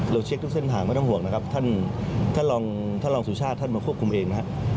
เช็คทุกเส้นทางไม่ต้องห่วงนะครับท่านรองท่านรองสุชาติท่านมาควบคุมเองนะครับ